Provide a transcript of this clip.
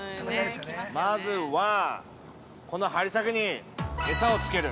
まずは、この針先に、餌をつける。